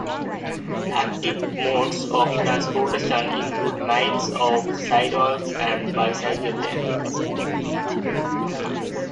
Active modes of transportation include miles of sidewalks and bicycle lanes.